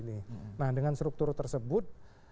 nah dengan struktur tersebut